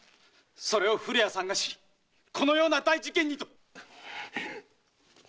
それを古谷さんが知りこのような大事件にと！